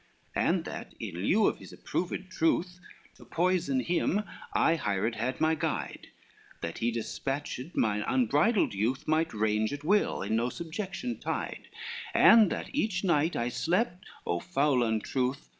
LVII "And that in lieu of his approved truth, To poison him I hired had my guide, That he despatched, mine unbridled youth Might rage at will, in no subjection tied, And that each night I slept—O foul untruth!